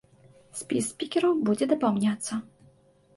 Спіс спікераў будзе дапаўняцца.